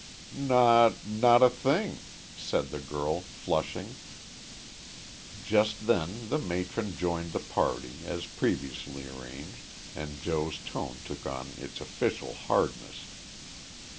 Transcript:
"Not not a thing," said the girl, flushing. Just then the matron joined the party, as previously arranged, and Joe's tone took on its official hardness.